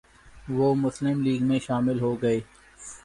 وہ مسلم لیگ میں شامل ہوگئے